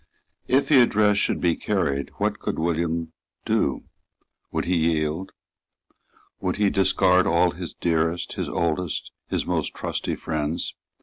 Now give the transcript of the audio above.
If the address should be carried, what could William do? Would he yield? Would he discard all his dearest, his oldest, his most trusty friends?